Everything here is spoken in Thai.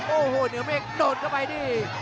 โอ้โหเหนียวเมฆโดดเข้าไปดี